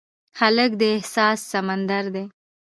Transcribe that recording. هلک د احساس سمندر دی.